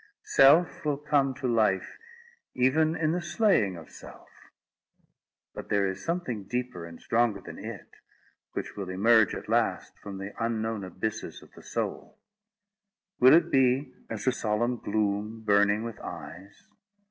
Self will come to life even in the slaying of self; but there is ever something deeper and stronger than it, which will emerge at last from the unknown abysses of the soul: will it be as a solemn gloom, burning with eyes?